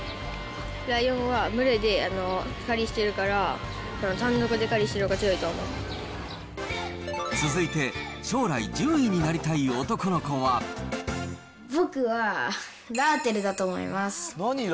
ライオンは群れで狩りしてるから、単独で狩りしてるほうが強いと続いて、将来、僕はラーテルだと思います。